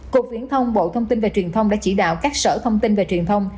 cục viễn thông bộ thông tin và truyền thông đã chỉ đạo các sở thông tin và truyền thông